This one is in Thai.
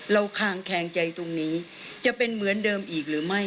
คางแคงใจตรงนี้จะเป็นเหมือนเดิมอีกหรือไม่